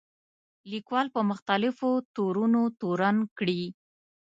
لیکوال په مختلفو تورونو تورن کړي.